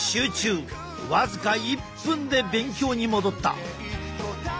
僅か１分で勉強に戻った。